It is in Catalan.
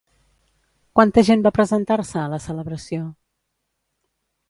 Quanta gent va presentar-se a la celebració?